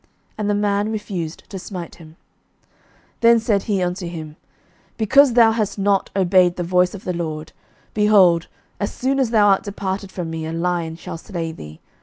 And the man refused to smite him. 11:020:036 Then said he unto him, Because thou hast not obeyed the voice of the LORD, behold, as soon as thou art departed from me, a lion shall slay thee.